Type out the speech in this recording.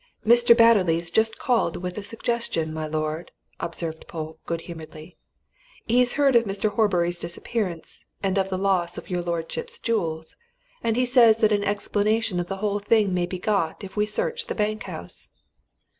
"Mr. Batterley's just called with a suggestion, my lord," observed Polke, good humouredly. "He's heard of Mr. Horbury's disappearance, and of the loss of your lordship's jewels, and he says that an explanation of the whole thing may be got if we search the bank house."